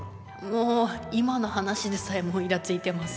もう今の話でさえもうイラついてます。